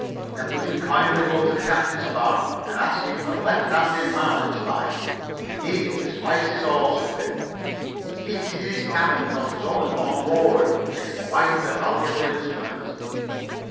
"Then would you kindly go to Captain Spark and ask him for a left handed marlinspike? We need it to splice this hawser with. He keeps it in his cabin because there's only one on board and it's quite a valuable instrument."